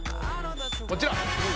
こちら。